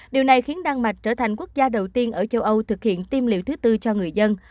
điều này khiến đan mạch trở thành quốc gia đầu tiên ở châu âu thực hiện tiêm liệu thứ tư cho người dân